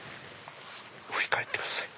振り返ってください。